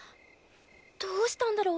どうしたんだろう？